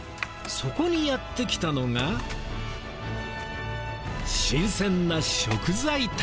そこにやって来たのが新鮮な食材たち。